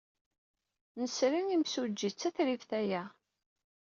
Nesri imsujji. D tatribt aya.